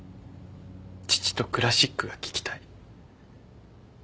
父とクラシックが聴きたい。